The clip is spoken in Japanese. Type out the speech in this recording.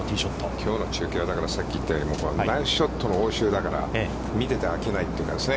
きょうの中継は、さっき言ったようにナイスショットの応酬だから、見てて飽きないというかね。